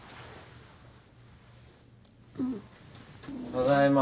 ・ただいま。